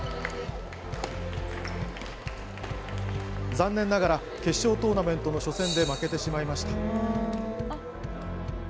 残念ながら決勝トーナメントの初戦で負けてしまいました。